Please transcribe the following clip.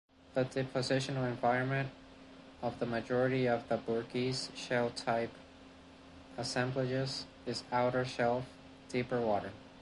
The depositional environment of the majority of Burgess-Shale-type assemblages is outer shelf, deeper water.